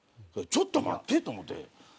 ちょっと待ってと思って。